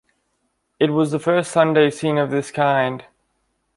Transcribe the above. It was the first Sunday scene of this kind